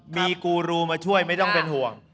มีกูรูมาช่วยไม่ต้องเป็นห่วง